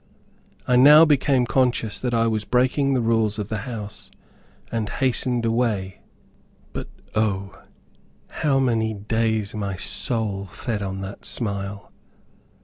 I now became conscious that I was breaking the rules of the house, and hastened away. But O, how many days my soul fed on that smile!